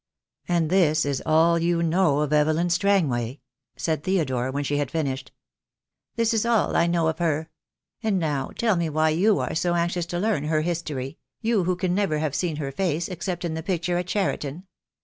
"And this is all you know of Evelyn Strangway?" said Theodore, when she had finished. "This is all I know of her. And now tell me why you are so anxious to learn her history — you who can never have seen her face, except in the picture at Cheriton.